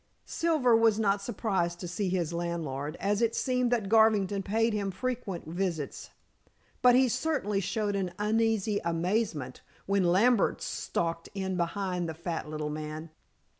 Silver was not surprised to see his landlord, as it seemed that Garvington paid him frequent visits. But he certainly showed an uneasy amazement when Lambert stalked in behind the fat little man.